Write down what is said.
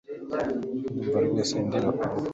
Ndumva rwose ndira kurubu